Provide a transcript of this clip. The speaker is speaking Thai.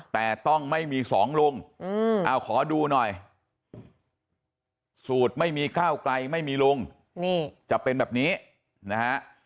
แต่ต้องไม่มีสองลุงเอาขอดูหน่อยสูตรไม่มีก้าวไกลไม่มีลุงนี่จะเป็นแบบนี้นะฮะ